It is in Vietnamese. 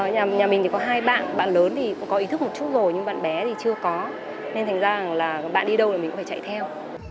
nhà mình thì có hai bạn bạn lớn thì cũng có ý thức một chút rồi nhưng bạn bé thì chưa có nên thành ra rằng là bạn đi đâu thì mình cũng phải chạy theo